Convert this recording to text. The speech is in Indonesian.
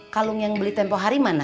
kalung yang beli tempoh hari mana